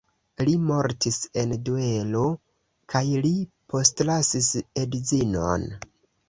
Li mortis en duelo kaj li postlasis edzinon.